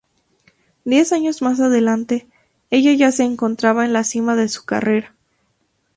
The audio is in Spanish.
Diez años más adelante, ella ya se encontraba en la cima de su carrera.